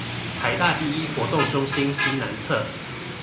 臺大第一活動中心西南側